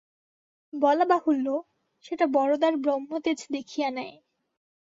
বলা বাহুল্য, সেটা বরদার ব্রহ্মতেজ দেখিয়া নেয়।